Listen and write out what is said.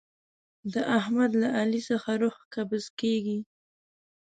د احمد له علي څخه روح قبض کېږي.